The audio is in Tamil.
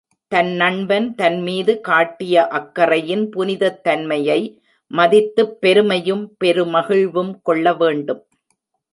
தன் நண்பன் தன்மீது காட்டிய அக்கறையின் புனிதத் தன்மையை மதித்துப் பெருமையும் பெருமகிழ்வும் கொள்ள வேண்டும்.